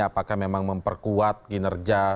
apakah memang memperkuat kinerja